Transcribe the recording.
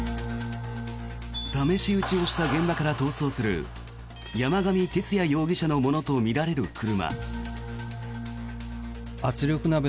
試し撃ちをした現場から逃走する山上容疑者のものとみられる車。